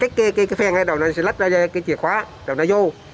kích cái phèn ngay đầu nó sẽ lắt ra cái chìa khóa rồi nó vô